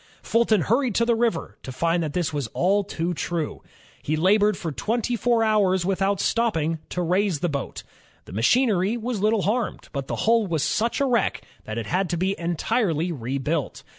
Fulton hurried to the river, to find that this was all too true. He labored for twenty four ho^rs without stopping, to raise the boat. The machinery was little harmed, but the hull was such a wreck that it had to be entirely rebuilt.